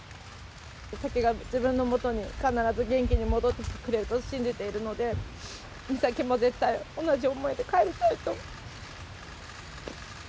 美咲が自分のもとに必ず元気に戻ってきてくれると信じているので、美咲も絶対同じ思いで帰りたいと。